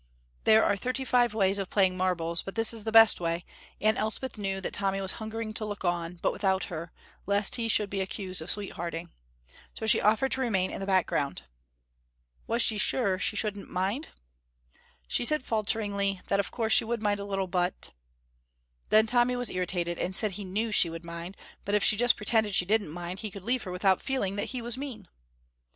There are thirty five ways of playing marbles, but this is the best way, and Elspeth knew that Tommy was hungering to look on, but without her, lest he should be accused of sweethearting. So she offered to remain in the background. Was she sure she shouldn't mind? She said falteringly that of course she would mind a little, but Then Tommy was irritated, and said he knew she would mind, but if she just pretended she didn't mind, he could leave her without feeling that he was mean.